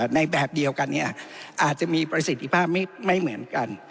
ในแบบเดียวกันอาจจะมีประสิทธิภาพไม่เหมือนกัน